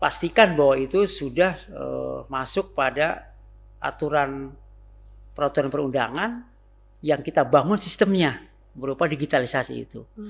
pastikan bahwa itu sudah masuk pada aturan perundangan yang kita bangun sistemnya berupa digitalisasi itu